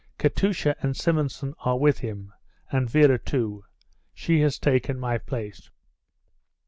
Katusha and Simonson are with him, and Vera, too. She has taken my place."